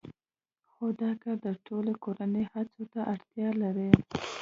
خو دا کار د ټولې کورنۍ هڅو ته اړتیا لري